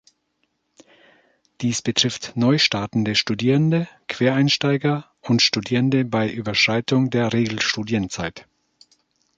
Dies betrifft neu startende Studierende, Quereinsteiger und Studierende bei Überschreitung der Regelstudienzeit.